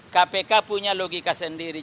kpk punya logika sendiri